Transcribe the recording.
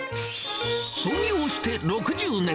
創業して６０年。